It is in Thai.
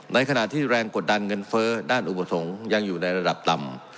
ในขณะที่แรงกดดันเงินเฟ้อด้านอุปสรรคยังอยู่ในระดับต่ำ